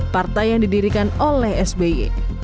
partai yang didirikan oleh sby